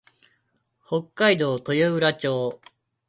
北海道豊浦町